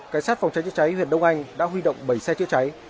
cảnh sát phòng cháy chữa cháy huyện đông anh đã huy động bảy xe chữa cháy